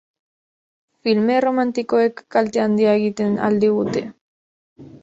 Filme erromantikoek kalte handia egiten al digute?